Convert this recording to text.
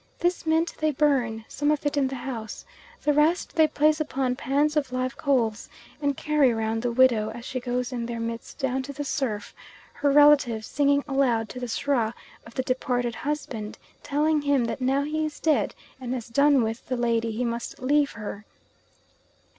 This mint they burn, some of it in the house, the rest they place upon pans of live coals and carry round the widow as she goes in their midst down to the surf, her relatives singing aloud to the Srah of the departed husband, telling him that now he is dead and has done with the lady he must leave her.